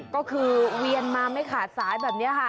ก็คือเวียนมาไม่ขาดสายแบบนี้ค่ะ